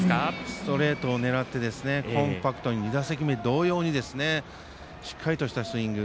ストレートを狙ってコンパクトに２打席目同様にしっかりとしたスイング。